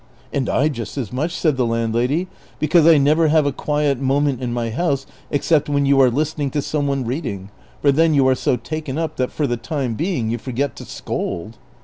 '■'■ And I just as much," said the landlady, " because I never have a quiet moment in my house except when you are listen ing to some one reading ; for then you are so taken up that for the time being you forget to scold."